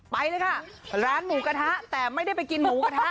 ไปเลยค่ะร้านหมูกระทะแต่ไม่ได้ไปกินหมูกระทะ